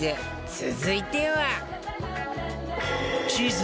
続いては